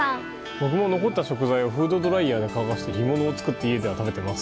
僕も残った食材をフードドライヤーで乾かして干物を作って家では食べてます。